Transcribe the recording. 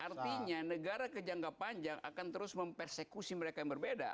artinya negara kejangka panjang akan terus mempersekusi mereka yang berbeda